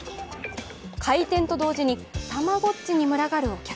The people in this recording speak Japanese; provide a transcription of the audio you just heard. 開店と同時に、たまごっちに群がるお客。